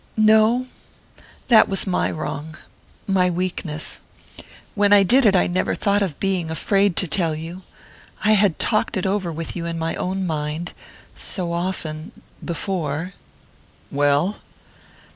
"No that was my wrong my weakness. When I did it I never thought of being afraid to tell you I had talked it over with you in my own mind...so often...before...." "Well?"